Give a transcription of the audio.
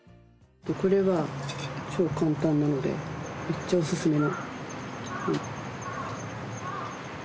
これは超簡単なのでめっちゃおすすめの。